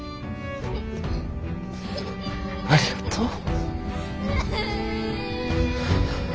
ありがとう。